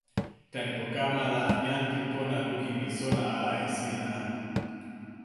tenpo kama la, jan pi pona lukin li sona ala e sina.